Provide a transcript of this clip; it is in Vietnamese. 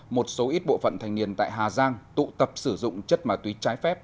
một số ít bộ phận thanh niên tại hà giang tụ tập sử dụng chất ma túy trái phép